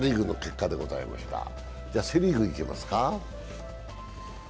セ・リーグいきますか。